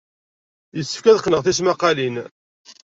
Yessefk ad qqneɣ tismaqqalin.